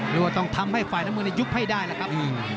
รอว่าต้องทำให้ฝ่ายน้ำเงินในยุคให้ได้ล่ะครับ